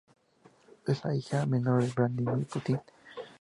Es la hija menor de Vladímir Putin.